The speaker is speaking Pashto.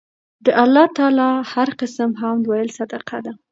د الله تعالی هر قِسم حمد ويل صدقه ده